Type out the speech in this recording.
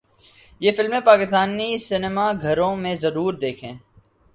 یہ فلمیں پاکستانی سینما گھروں میں ضرور دیکھیں